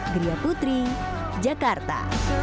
gria putri jakarta